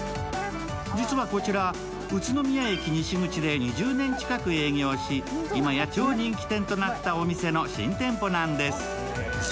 実はこちら、宇都宮駅西口で２０年近く営業しいまや超人気店となったお店の新店舗なんです。